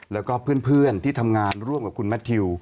แล้วก็เพื่อนที่ทำงานร่วมกับคุณแมททิว